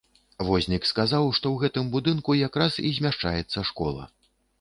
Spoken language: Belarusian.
Вознік сказаў, што ў гэтым будынку якраз і змяшчаецца школа.